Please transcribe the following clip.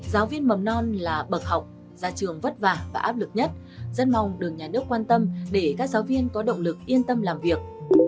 giáo viên mầm non là bậc học gia trường vất vả và áp lực nhất rất mong được nhà nước quan tâm để các giáo viên có động lực yên tâm làm việc